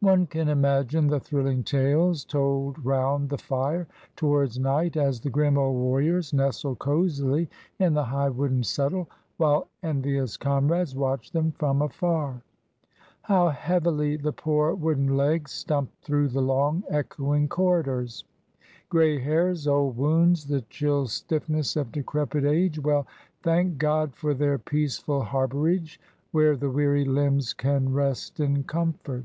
One can imagine the thrilling tales told round the fire towards night as the grim old warriors nestle cosily in the high wooden settle, while envious comrades watch them from afar. How heavily the poor wooden legs stump through the long, echoing corridors! Grey hairs, old wounds, the chill stiffness of decrepit age well, thank God for their peaceful harbourage, where the weary limbs can rest in comfort.